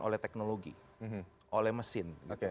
oleh teknologi oleh mesin